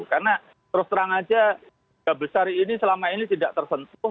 karena terus terang aja kebesaran ini selama ini tidak tersentuh